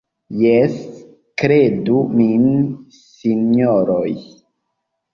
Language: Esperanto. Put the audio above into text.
Jes, kredu min, sinjoroj.